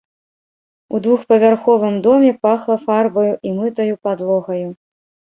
У двухпавярховым доме пахла фарбаю і мытаю падлогаю.